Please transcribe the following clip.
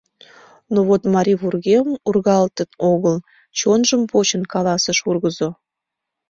Но вот марий вургемым ургалтын огыл, — чонжым почын каласыш ургызо.